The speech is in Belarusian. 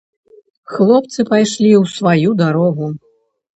Хлопцы пайшлі ў сваю дарогу.